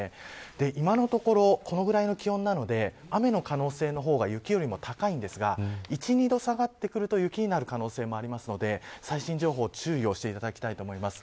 今のところこのぐらいの気温なので雨の可能性の方が雪よりも高いんですが１、２度下がってくると雪になる可能性もあるので最新情報に注意していただきたいです。